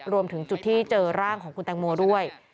รวมถึงจุดที่เจอร่างของคุณแตงโมด้วย